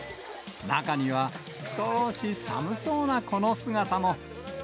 中には少し寒そうな子の姿も。